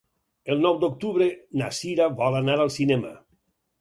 El nou d'octubre na Sira vol anar al cinema.